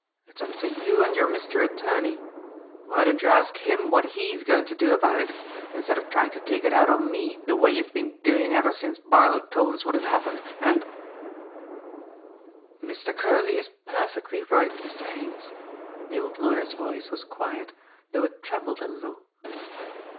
It's up to you and your Mister Attorney. Why don't you ask him what he's going to do about it, instead of trying to take it out on me the way you've been doing ever since Barlow told us what had happened, and " "Mr. Curley is perfectly right, Mr. Haines" the old lawyer's voice was quiet, though it trembled a little.